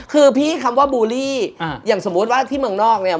คือพี่คำว่าบูลลี่อย่างสมมุติว่าที่เมืองนอกเนี่ย